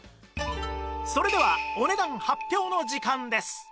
それではお値段発表の時間です